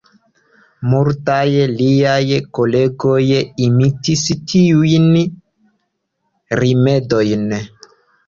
Multaj liaj kolegoj imitis tiujn rimedojn.